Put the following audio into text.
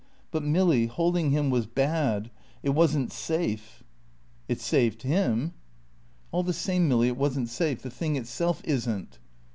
But Milly, holding him was bad; it wasn't safe." "It saved him." "All the same, Milly, it wasn't safe. The thing itself isn't."